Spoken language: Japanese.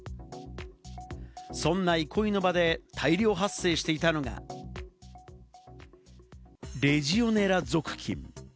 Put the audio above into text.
そんな憩いの場で大量発生していたのがレジオネラ属菌。